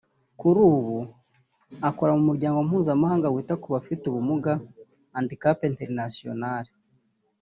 Kuri ubu akora mu muryango mpuzamahanga wita ku bafite ubumuga (Handicap International)